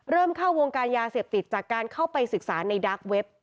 เข้าวงการยาเสพติดจากการเข้าไปศึกษาในดาร์กเว็บ